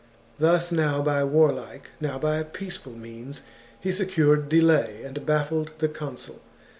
Thus, now by warlike, now by peaceful means, he secured delay, and bafiled the consul.